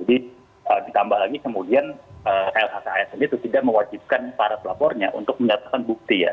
jadi ditambah lagi kemudian lhk asn itu tidak mewajibkan para pelapornya untuk mengatakan bukti ya